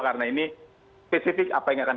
karena ini spesifik apa yang akan